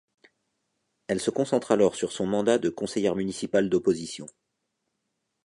Elle se concentre alors sur son mandat de conseillère municipal d'opposition.